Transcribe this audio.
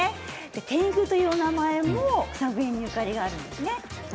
天狗というお名前も草笛にゆかりがあるんですよね。